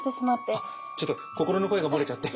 あっちょっと心の声が漏れちゃって。